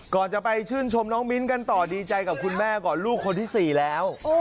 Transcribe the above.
ก่อนจะไปชื่นชมน้องมิ้นกันต่อดีใจกับคุณแม่ก่อนลูกคนที่๔แล้ว